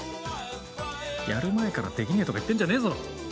やる前からできねえとか言ってるんじゃねえぞ。